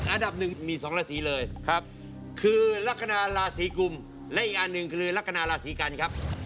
อันดับ๑มี๒ลาศีเลยคือลักษณะลาศีกุมและอีกอันหนึ่งคือลักษณะลาศีกันครับ